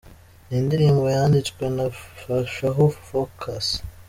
Ni indirimbo yanditswe na Fashaho Phocas.